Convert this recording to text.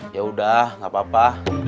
ya udah gak apa apa